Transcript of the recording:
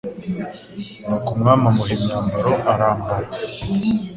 Nuko umwami amuha imyambaro arambara